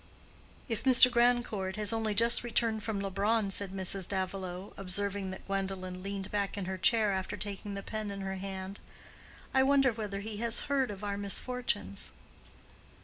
"If Mr. Grandcourt has only just returned from Leubronn," said Mrs. Davilow, observing that Gwendolen leaned back in her chair after taking the pen in her hand—"I wonder whether he has heard of our misfortunes?"